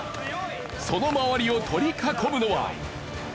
その周りを取り囲むのは。